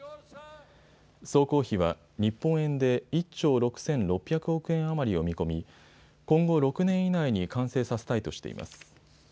総工費は日本円で１兆６６００億円余りを見込み今後６年以内に完成させたいとしています。